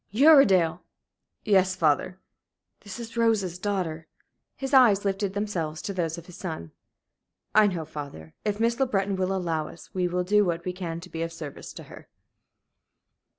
"Uredale!" "Yes, father." "This is Rose's daughter." His eyes lifted themselves to those of his son. "I know, father. If Miss Le Breton will allow us, we will do what we can to be of service to her."